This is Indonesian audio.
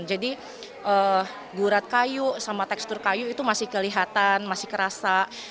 jadi gurat kayu sama tekstur kayu itu masih kelihatan masih kerasa